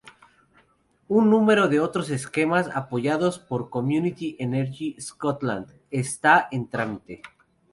Un número de otros esquemas apoyados por Community Energy Scotland están en trámite.